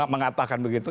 dia mengatakan begitu